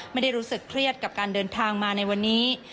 ไม่ได้รู้สึกเครียดกับการเดินทางมาในวันนี้